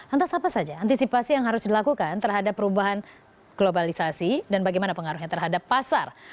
antas apa saja antisipasi yang harus dilakukan terhadap perubahan globalisasi dan bagaimana pengaruhnya terhadap pasar